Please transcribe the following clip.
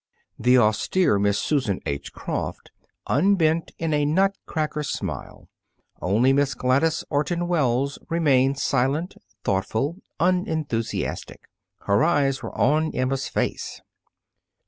The austere Miss Susan H. Croft unbent in a nutcracker smile. Only Miss Gladys Orton Wells remained silent, thoughtful, unenthusiastic. Her eyes were on Emma's face.